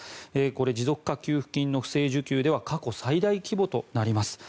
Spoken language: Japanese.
これ持続化給付金の不正受給では過去最大規模となります。